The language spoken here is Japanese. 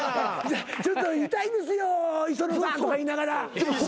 「ちょっと痛いですよ磯野さん」とか言いながら。